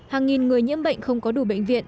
hàng nghìn người nhiễm bệnh không có đủ bệnh viện